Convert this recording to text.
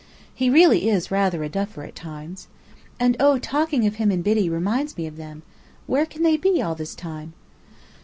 He really is rather a duffer, at times! And oh, talking of him and Biddy reminds me of them! Where can they be, all this time?"